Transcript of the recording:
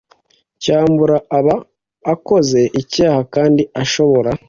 cyambura aba akoze icyaha kandi ashobora